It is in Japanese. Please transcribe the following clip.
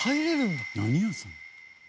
何屋さん？